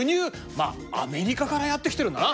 まあアメリカからやって来てるんだな。